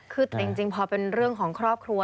คือแต่จริงพอเป็นเรื่องของครอบครัว